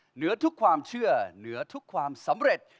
เหนือทุกความเชื่อเหนือทุกความสำเร็จ